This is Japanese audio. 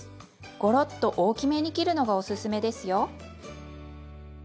ごろっと大きめに切るのがおすすめですよ。